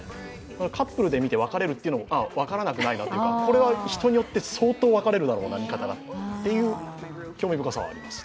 カップルで見て別れるというのも分からなくはないなというか、これは人によって、相当見方が分かるだろうなという興味深さはあります。